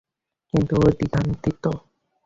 কিন্তু ও দ্বিধান্বিত।